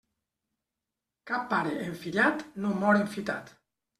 Cap pare enfillat no mor enfitat.